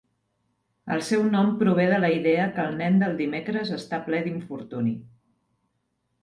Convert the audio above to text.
El seu nom prové de la idea que el nen del dimecres està ple d'infortuni.